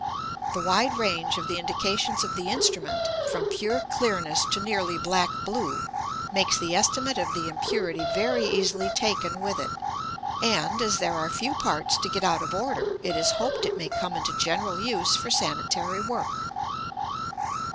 The wide range of the indications of the instrument, from pure clearness to nearly black blue, makes the estimate of the impurity very easily taken with it; and, as there are few parts to get out of order, it is hoped it may come into general use for sanitary work.